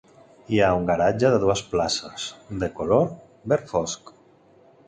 Hi ha un garatge de dues places, de color verd fosc.